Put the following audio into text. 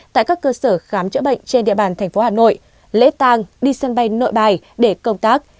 tại các cơ sở khám chữa bệnh trên địa bàn tp hà nội lễ tàng đi sân bay nội bài để công tác